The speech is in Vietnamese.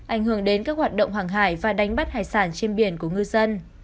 ảnh hưởng đến các hoạt động hàng hải và đánh bắt hải sản trên biển của ngư dân